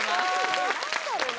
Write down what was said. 何だろうな？